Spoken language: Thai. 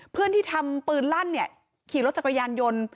เพื่อนที่ทำปืนลั่นเนี่ยขี่รถจักรยานยนต์